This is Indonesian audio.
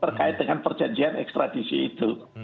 terkait dengan perjanjian ekstradisi itu